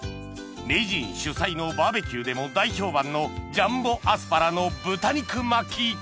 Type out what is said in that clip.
名人主催のバーべキューでも大評判のジャンボアスパラの豚肉巻き